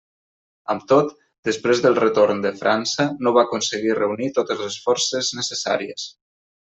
Amb tot, després del retorn de França no va aconseguir reunir totes les forces necessàries.